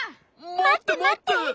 まってまって！